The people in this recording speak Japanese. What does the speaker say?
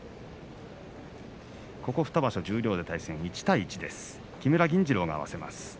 ここ２場所、十両で対戦１対１です。